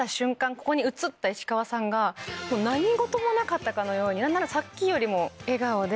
ここに映った石川さんが何事もなかったかのように何ならさっきよりも笑顔で。